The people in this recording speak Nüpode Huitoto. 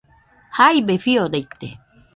Jaibe fiodaite